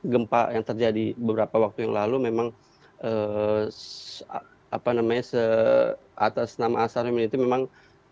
gempa yang terjadi beberapa waktu yang lalu memang apa namanya se atas nama asal itu memang